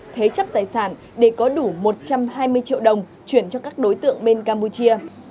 tài sản để có đủ một trăm hai mươi triệu đồng chuyển cho các đối tượng bên campuchia